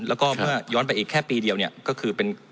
แล้วก็ย้อนไปอีกแค่ปีเดียวก็คือเป็น